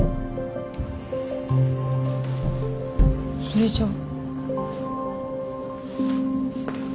それじゃ。